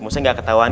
musik gak ketahuan